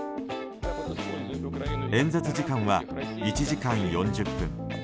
演説時間は１時間４０分。